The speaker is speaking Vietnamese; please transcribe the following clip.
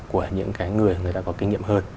của những cái người người ta có kinh nghiệm hơn